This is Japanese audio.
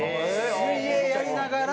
水泳やりながら。